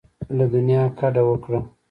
له دنیا کډه وکړه.